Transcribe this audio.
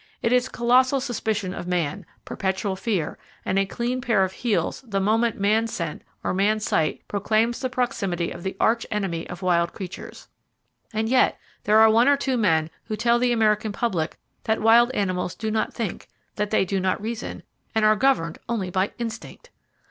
It is colossal suspicion of man, perpetual fear, and a clean pair of heels the moment man scent or man sight proclaims the proximity of the Arch Enemy of Wild Creatures. And yet there are one or two men who tell the American public that wild animals do not think, that they do not reason, and are governed only by "instinct"!